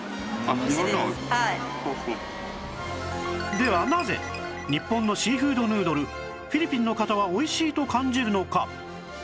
ではなぜ日本のシーフードヌードルフィリピンの方はおいしいと感じるのか？